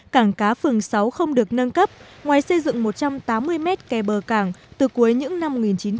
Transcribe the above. cảng cá phường sáu không được nâng cấp ngoài xây dựng một trăm tám mươi mét kè bờ cảng từ cuối những năm một nghìn chín trăm bảy mươi